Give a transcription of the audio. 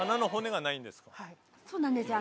そうなんですよ